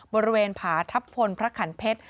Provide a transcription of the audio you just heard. บริเวณผาทัพพลพระขันเพชร